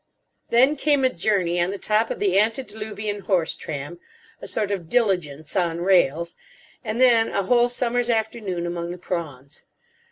Then came a journey on the top of the antediluvian horse tram, a sort of diligence on rails; and then a whole summer's afternoon among the prawns.